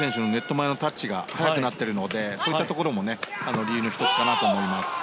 前のタッチが速くなっているのでそういったところも理由の１つかなと思います。